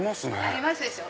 合いますでしょ